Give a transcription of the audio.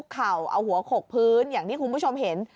หน้านั้นคุกเข่านี่คุณผู้ชมเห็น